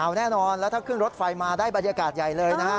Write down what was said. เอาแน่นอนแล้วถ้าขึ้นรถไฟมาได้บรรยากาศใหญ่เลยนะฮะ